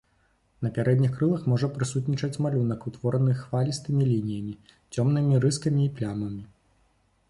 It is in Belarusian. На пярэдніх крылах можа прысутнічаць малюнак, утвораны хвалістымі лініямі, цёмнымі рыскамі і плямамі.